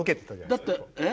だってえ？